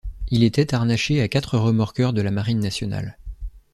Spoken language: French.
Il était harnaché à quatre remorqueurs de la marine nationale.